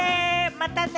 またね！